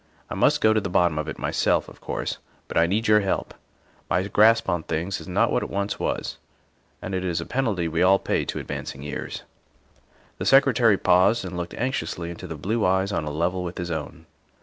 I must go to the bottom of it myself, of course, but I need your help. My grasp on things is not what it once was; it is a penalty we all pay to advancing years." THE SECRETARY OF STATE 39 The Secretary paused and looked anxiously into the blue eyes on a level with his own.